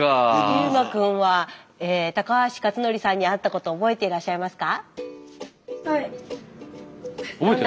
雄真くんは高橋克典さんに会ったこと覚えていらっしゃいますか？